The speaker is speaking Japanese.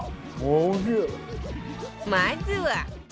まずは